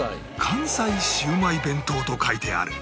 「関西シウマイ弁当」と書いてある